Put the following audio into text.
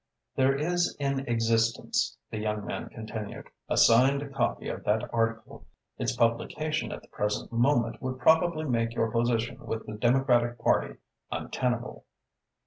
"There is in existence," the young man continued, "a signed copy of that article. Its publication at the present moment would probably make your position with the Democratic Party untenable."